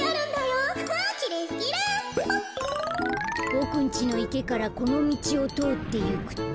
ボクんちのいけからこのみちをとおっていくと。